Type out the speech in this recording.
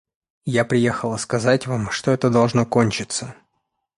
Я приехала сказать вам, что это должно кончиться.